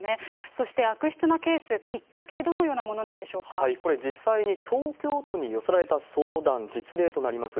そして悪質なケース、きっかけ、これ、実際に東京都に寄せられた相談、実例となります。